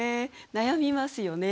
悩みますよね